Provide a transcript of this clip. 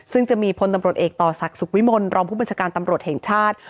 ซึ่งจะมีพลตำรวจเอกต่อศักดิ์สุขวิมลรองผู้บัญชาการตำรวจแห่งชาติ